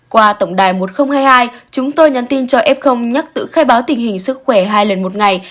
qua tổng đài một nghìn hai mươi hai chúng tôi nhắn tin cho f nhắc tự khai báo tình hình sức khỏe hai lần một ngày